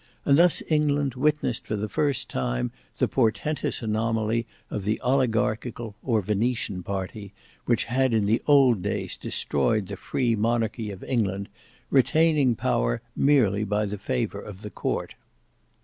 And thus England witnessed for the first time the portentous anomaly of the oligarchical or Venetian party, which had in the old days destroyed the free monarchy of England, retaining power merely by the favour of the Court.